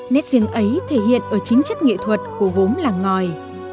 nét riêng ấy thể hiện ở chính chất nghệ thuật của gốm làng ngòi